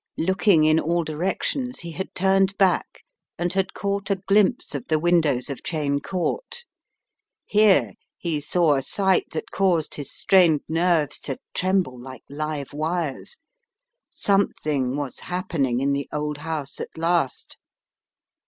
Looking in all directions he had turned back and had caught a i 122 The Riddle of the Purple Emperor glimpse of the windows of Cheyne Court. Here he saw a sight that caused his strained nerves to tremble like live wires. Something was happening in the old house at last!